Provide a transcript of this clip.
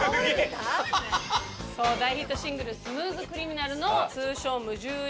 そう大ヒットシングル『スムーズ・クリミナル』の通称。